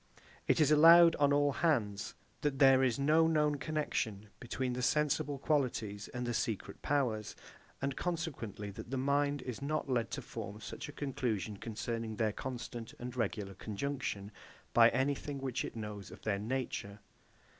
It is allowed on all hands that there is no known connexion between the sensible qualities and the secret powers; and consequently, that the mind is not led to form such a conclusion concerning their constant and regular conjunction, by anything which it knows of their nature.